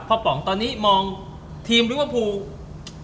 พ่อป๋องตอนนี้มองทีมฤทธิ์ภูมิ